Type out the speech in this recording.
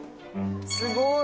すごい。